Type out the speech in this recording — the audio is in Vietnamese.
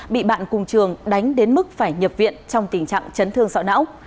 bị bạn cùng trường đánh đến mức phải nhập viện trong tình trạng chấn thương sọ não